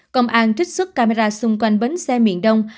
công an trích xuất camera xung quanh bến xe miền đông